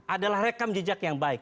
adalah rekam jejak yang baik